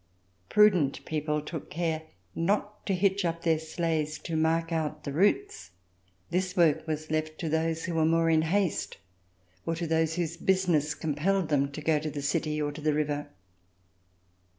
Prudent people took care not to hitch up their sleighs to mark out the routes. This work was left to those who were more in haste, or to those whose business compelled them to go to the city or to the river.